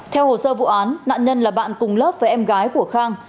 theo hồ sơ vụ án nạn nhân là bạn cùng lớp với em gái của khang